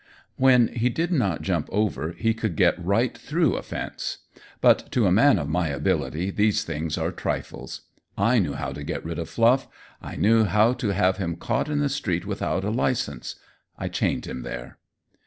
When he did not jump over he could get right through a fence. But to a man of my ability these things are trifles. I knew how to get rid of Fluff. I knew how to have him caught in the street without a license. I chained him there.